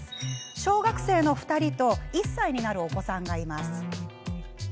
小学生の２人と１歳になるお子さんがいます。